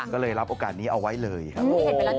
ก็เลยรับโอกาสนี้เอาไว้เลยครับ